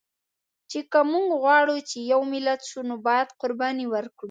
چې که مونږ غواړو چې یو ملت شو، نو باید قرباني ورکړو